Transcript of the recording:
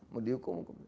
mau dihukum hukum